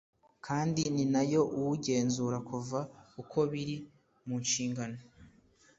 kandi ni na yo iwungenzura kuva ubu biri munshingano